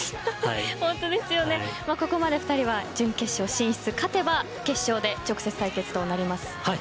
ここまで２人は準決勝進出勝てば決勝で直接対決となります。